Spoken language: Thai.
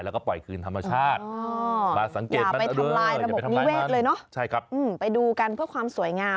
แล้วเราตับมันได้หรือเปล่าครับ